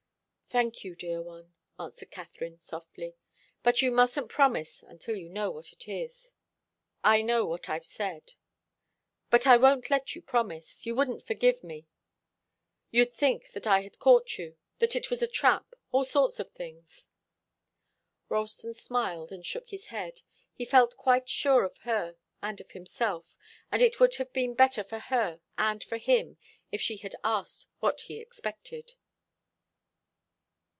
"Thank you, dear one," answered Katharine, softly. "But you mustn't promise until you know what it is." "I know what I've said." "But I won't let you promise. You wouldn't forgive me you'd think that I had caught you that it was a trap all sorts of things." Ralston smiled and shook his head. He felt quite sure of her and of himself. And it would have been better for her and for him, if she had asked what he expected.